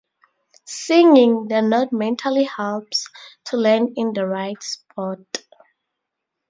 "Singing" the note mentally helps to land in the right spot.